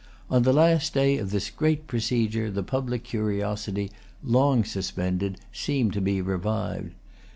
On the last day of this great procedure the public curiosity, long suspended, seemed to be revived.